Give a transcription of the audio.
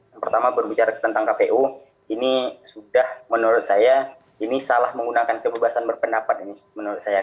yang pertama berbicara tentang kpu ini sudah menurut saya ini salah menggunakan kebebasan berpendapat ini menurut saya